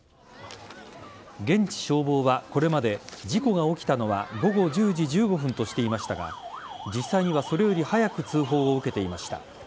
現地消防はこれまで事故が起きたのは午後１０時１５分としていましたが実際にはそれより早く通報を受けていました。